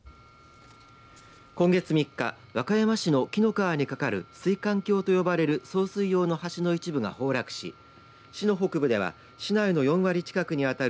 今月３日、和歌山市の紀の川にかかる水管橋と呼ばれる送水用の橋の一部が崩落し市の北部では市内の４割近くに当たる